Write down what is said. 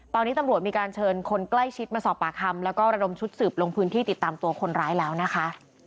ตอนนี้ตำรวจมีการเชิญคนใกล้ชิดมาสอบปากคำแล้วก็ระดมชุดสืบลงพื้นที่ติดตามตัวคนร้ายแล้วนะคะ